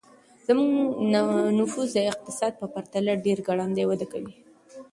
زموږ نفوس د اقتصاد په پرتله ډېر ګړندی وده کوي.